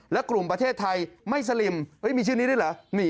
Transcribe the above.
และกลุ่มประเทศไทยไม่สลิมมีชื่อนี้ด้วยเหรอ